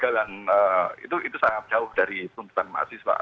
dan penggantian itu sangat jauh dari tuntutan mahasiswa